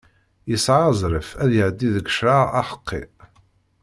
Yesɛa azref ad iɛeddi deg ccreɛ aḥeqqi.